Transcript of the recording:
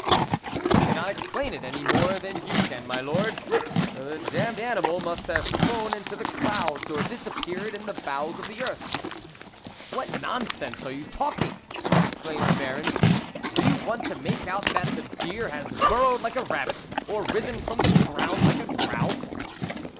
" I cannot explain it any more than you can, my Lord ; the damned animal must have flown into the clouds or disappeared in the bowels of the earth." " What nonsense are you talking !" ex claimed the Baron " do you want to make out that the deer has burrowed like a rabbit, or risen from the ground like a grouse